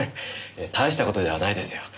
大した事ではないですよ。